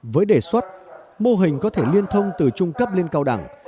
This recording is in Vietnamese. với đề xuất mô hình có thể liên thông từ trung cấp lên cao đẳng